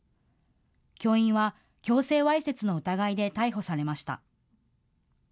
教員は強制わいせつの疑いで逮捕されました。